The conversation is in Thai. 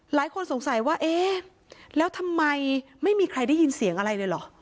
หลายคนสงสัยว่าเอ๊ะแล้วทำไมไม่มีใครได้ยินเสียงอะไรเลยเหรอ